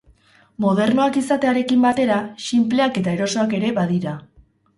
Modernoak izatearein batera, sinpleak eta erosoak ere badira.